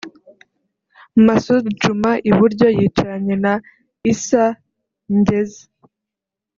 Masud Djuma (iburyo) yicaranye na Issa Ngeze